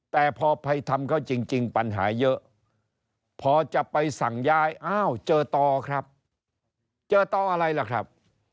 แต่พอไปทำเขาจริงปัญหาเยอะพอจะไปสั่งย้ายอ้าวเจอต่อครับเจอต่ออะไรล่ะครับ